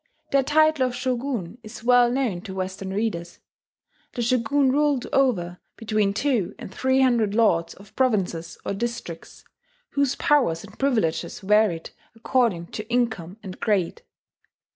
Their title of shogun is well known to Western readers. The shogun ruled over between two and three hundred lords of provinces or districts, whose powers and privileges varied according to income and grade.